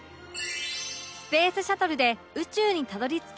スペースシャトルで宇宙にたどり着き